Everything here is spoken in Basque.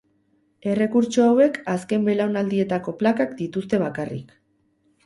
Errekurtso hauek azken belaunaldietako plakak dituzte bakarrik.